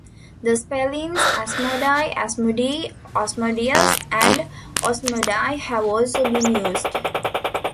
The spellings Asmodai, Asmodee, Osmodeus, and Osmodai have also been used.